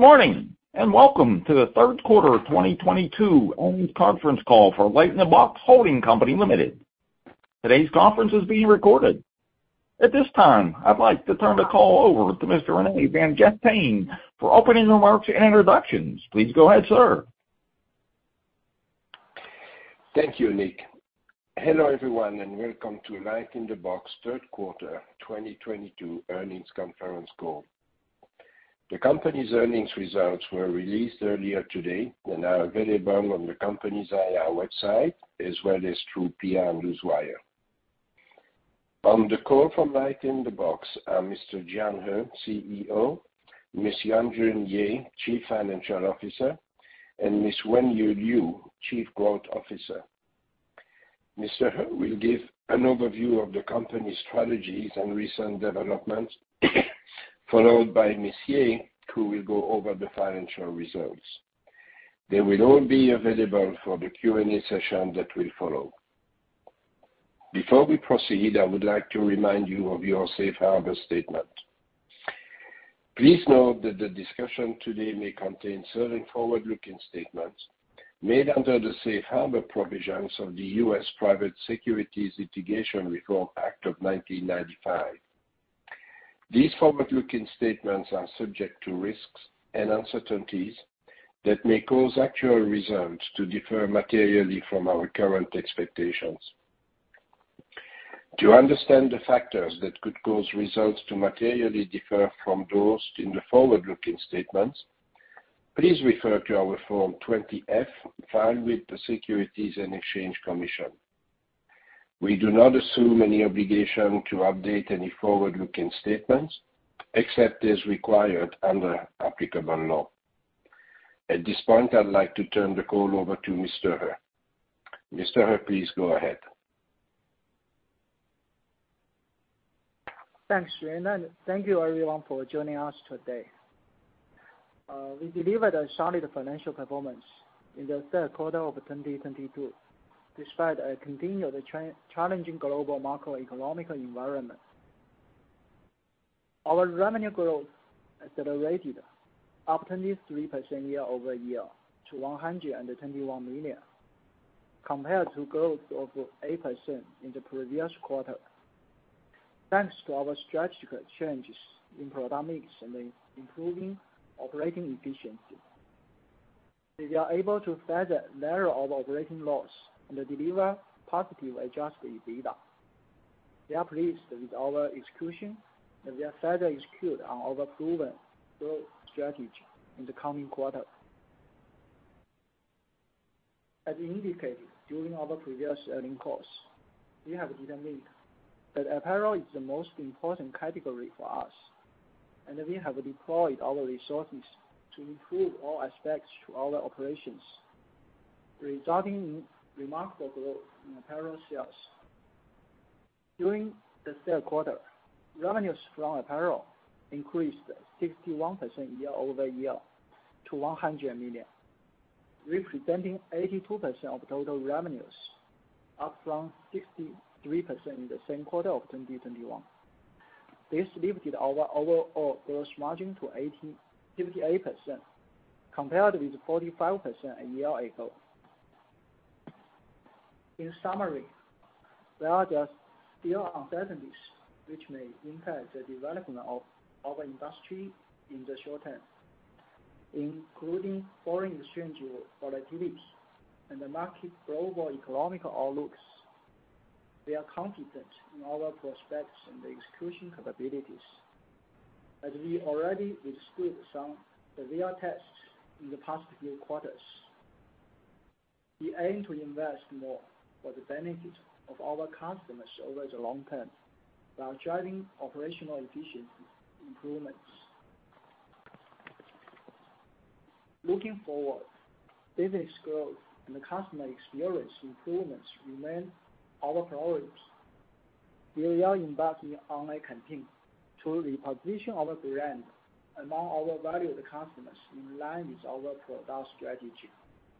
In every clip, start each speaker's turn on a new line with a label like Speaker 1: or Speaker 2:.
Speaker 1: Good morning. Welcome to the third quarter of 2022 earnings conference call for LightInTheBox Holding Company Limited. Today's conference is being recorded. At this time, I'd like to turn the call over to Mr. Rene Vanguestaine for opening remarks and introductions. Please go ahead, sir.
Speaker 2: Thank you, Nick. Hello everyone, welcome to LightInTheBox 3rd quarter 2022 earnings conference call. The company's earnings results were released earlier today and are available on the company's IR website, as well as through PR Newswire. On the call from LightInTheBox are Mr. Jian He, CEO, Ms. Yuanjun Ye, Chief Financial Officer, and Ms. Wenyu Liu, Chief Growth Officer. Mr. He will give an overview of the company's strategies and recent developments, followed by Ms. Ye, who will go over the financial results. They will all be available for the Q&A session that will follow. Before we proceed, I would like to remind you of your safe harbor statement. Please note that the discussion today may contain certain forward-looking statements made under the safe harbor provisions of the U.S. Private Securities Litigation Reform Act of 1995. These forward-looking statements are subject to risks and uncertainties that may cause actual results to differ materially from our current expectations. To understand the factors that could cause results to materially differ from those in the forward-looking statements, please refer to our Form 20-F filed with the Securities and Exchange Commission. We do not assume any obligation to update any forward-looking statements, except as required under applicable law. At this point, I'd like to turn the call over to Mr. He. Mr. He, please go ahead.
Speaker 3: Thanks, Rene. Thank you everyone for joining us today. We delivered a solid financial performance in the third quarter of 2022 despite a challenging global macroeconomic environment. Our revenue growth accelerated up 23% year-over-year to $121 million, compared to growth of 8% in the previous quarter. Thanks to our strategic changes in product mix and in improving operating efficiency, we were able to further narrow our operating loss and deliver positive adjusted EBITDA. We are pleased with our execution, we are further execute on our proven growth strategy in the coming quarter. As indicated during our previous earning calls, we have determined that apparel is the most important category for us, and we have deployed all the resources to improve all aspects to all our operations, resulting in remarkable growth in apparel sales. During the third quarter, revenues from apparel increased 61% year-over-year to $100 million, representing 82% of total revenues, up from 63% in the same quarter of 2021. This lifted our overall gross margin to 58%, compared with 45% a year ago. In summary, there are just still uncertainties which may impact the development of our industry in the short term, including foreign exchange volatility and the market global economic outlooks. We are confident in our prospects and the execution capabilities, as we already withstood some severe tests in the past few quarters. We aim to invest more for the benefit of our customers over the long term while driving operational efficiency improvements. Looking forward, business growth and the customer experience improvements remain our priorities. We will invest in online content to reposition our brand among our valued customers in line with our product strategy,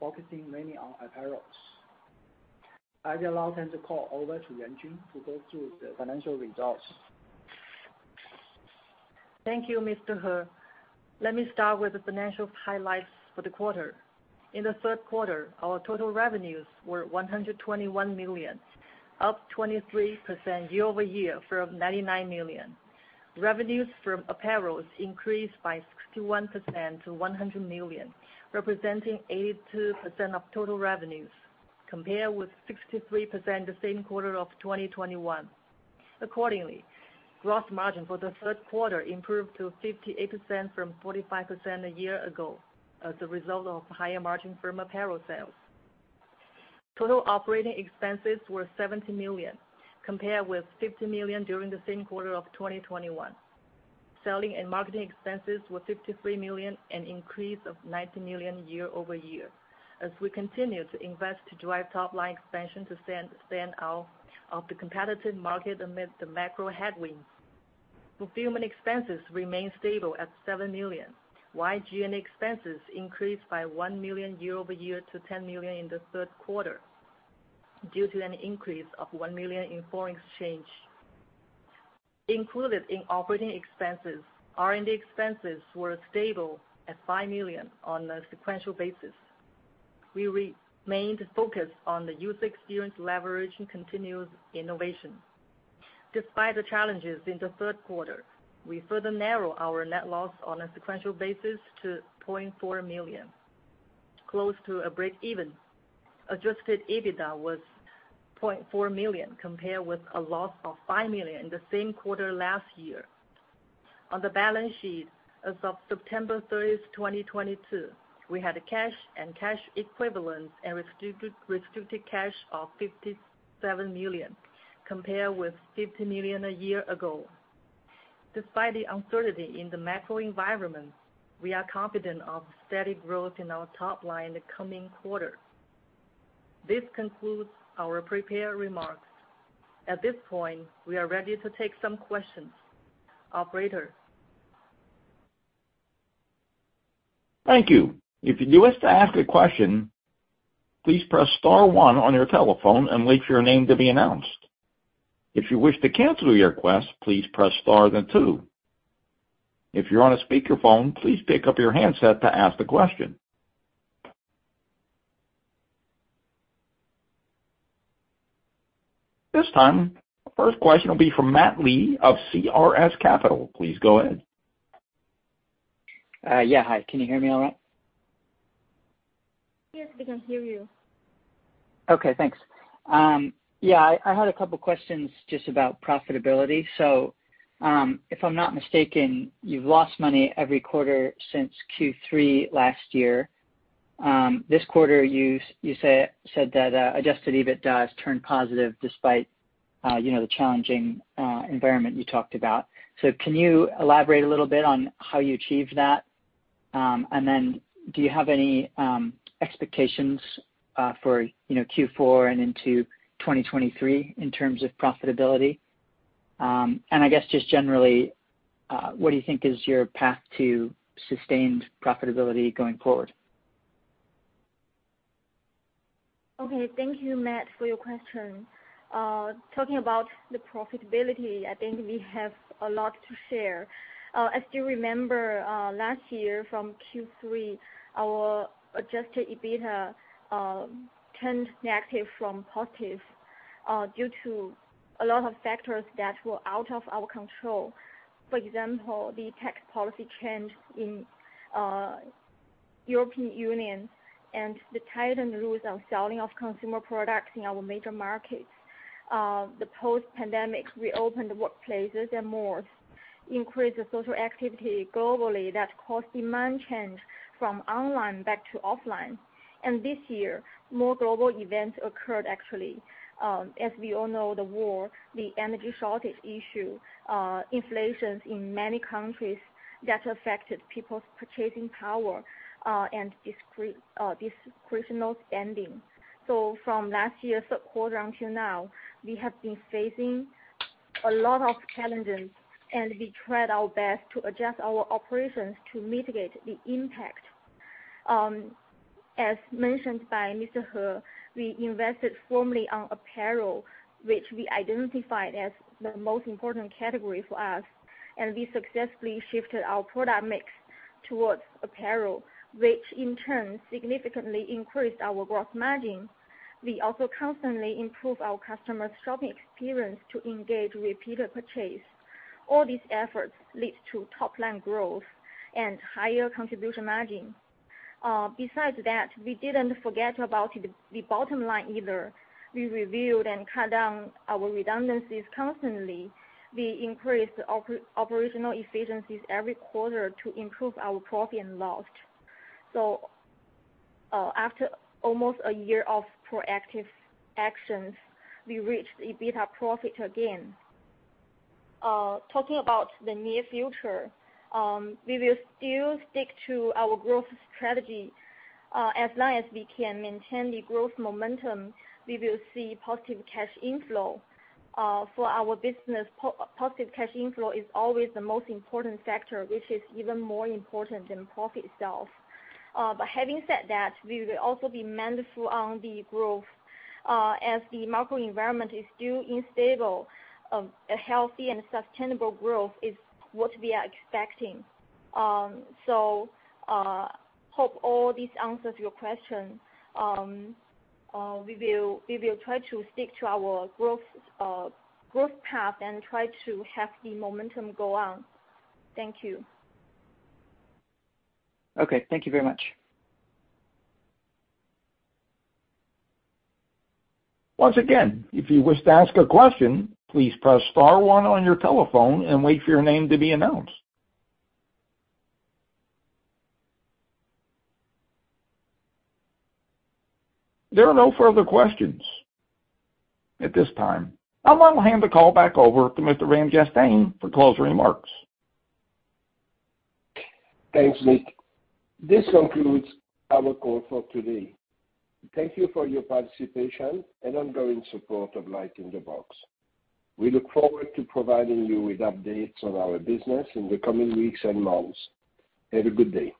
Speaker 3: focusing mainly on apparels. I will now turn the call over to Yuanjun to go through the financial results.
Speaker 4: Thank you, Mr. He. Let me start with the financial highlights for the quarter. In the third quarter, our total revenues were $121 million, up 23% year-over-year from $99 million. Revenues from apparels increased by 61% to $100 million, representing 82% of total revenues, compared with 63% the same quarter of 2021. Accordingly, gross margin for the third quarter improved to 58% from 45% a year ago as a result of higher margin from apparel sales. Total operating expenses were $70 million, compared with $50 million during the same quarter of 2021. Selling and marketing expenses were $53 million, an increase of $19 million year-over-year, as we continue to invest to drive top line expansion to stand out of the competitive market amid the macro headwinds. Fulfillment expenses remained stable at $7 million, while G&A expenses increased by $1 million year-over-year to $10 million in the third quarter due to an increase of $1 million in foreign exchange. Included in operating expenses, R&D expenses were stable at $5 million on a sequential basis. We remained focused on the user experience leverage and continuous innovation. Despite the challenges in the third quarter, we further narrow our net loss on a sequential basis to $0.4 million, close to a breakeven. Adjusted EBITDA was $0.4 million, compared with a loss of $5 million in the same quarter last year. On the balance sheet, as of September 30th, 2022, we had a cash and cash equivalent and restricted cash of $57 million, compared with $50 million a year ago. Despite the uncertainty in the macro environment, we are confident of steady growth in our top line in the coming quarter. This concludes our prepared remarks. At this point, we are ready to take some questions. Operator?
Speaker 1: Thank you. If you wish to ask a question, please press star one on your telephone and wait for your name to be announced. If you wish to cancel your request, please press star then two. If you're on a speakerphone, please pick up your handset to ask the question. This time, the first question will be from Matt Lee of CaaS Capital. Please go ahead.
Speaker 5: Yeah. Hi. Can you hear me all right?
Speaker 6: Yes, we can hear you.
Speaker 5: Okay, thanks. Yeah, I had a couple questions just about profitability. If I'm not mistaken, you've lost money every quarter since Q3 last year. This quarter, you said that adjusted EBITDA turned positive despite, you know, the challenging environment you talked about. Can you elaborate a little bit on how you achieved that? Do you have any expectations for, you know, Q4 and into 2023 in terms of profitability? I guess just generally, what do you think is your path to sustained profitability going forward?
Speaker 6: Okay. Thank you, Matt, for your question. Talking about the profitability, I think we have a lot to share. As you remember, last year from Q3, our adjusted EBITDA turned negative from positive due to a lot of factors that were out of our control. For example, the tax policy change in European Union and the tightened rules on selling of consumer products in our major markets. The post-pandemic reopened workplaces and malls increased the social activity globally that caused demand change from online back to offline. This year, more global events occurred actually. As we all know, the war, the energy shortage issue, inflations in many countries that affected people's purchasing power and discretional spending. From last year's third quarter until now, we have been facing a lot of challenges, and we tried our best to adjust our operations to mitigate the impact. As mentioned by Mr. He, we invested formally on apparel, which we identified as the most important category for us, and we successfully shifted our product mix towards apparel, which in turn significantly increased our gross margin. We also constantly improve our customers' shopping experience to engage repeated purchase. All these efforts lead to top line growth and higher contribution margin. Besides that, we didn't forget about the bottom line either. We reviewed and cut down our redundancies constantly. We increased operational efficiencies every quarter to improve our profit and loss. After almost a year of proactive actions, we reached the EBITDA profit again. Talking about the near future, we will still stick to our growth strategy. As long as we can maintain the growth momentum, we will see positive cash inflow. For our business, positive cash inflow is always the most important factor, which is even more important than profit itself. Having said that, we will also be mindful on the growth, as the macro environment is still unstable. A healthy and sustainable growth is what we are expecting. Hope all these answers your question. We will try to stick to our growth path and try to have the momentum go on. Thank you.
Speaker 5: Okay. Thank you very much.
Speaker 1: Once again, if you wish to ask a question, please press star one on your telephone and wait for your name to be announced. There are no further questions at this time. I now hand the call back over to Mr. Rene Vanguestaine for closing remarks.
Speaker 2: Thanks, Nick. This concludes our call for today. Thank you for your participation and ongoing support of LightInTheBox. We look forward to providing you with updates on our business in the coming weeks and months. Have a good day.